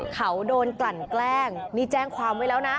เขาโดนกลั่นแกล้งนี่แจ้งความไว้แล้วนะ